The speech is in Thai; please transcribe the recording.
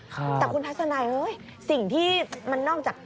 ค่ะแต่คุณพัฒนายสิ่งที่มันนอกจาก